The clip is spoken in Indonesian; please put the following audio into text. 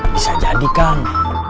bisa jadi kang